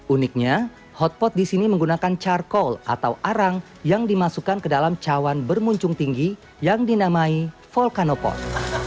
uniknya hot pot di sini menggunakan carkol atau arang yang dimasukkan ke dalam cawan bermuncung tinggi yang dinamai volcano pot